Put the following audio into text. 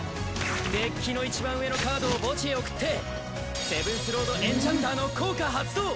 デッキのいちばん上のカードを墓地へ送ってセブンスロード・エンチャンターの効果発動！